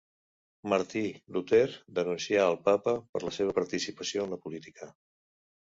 Martí Luter denuncià el Papa per la seva participació en la política.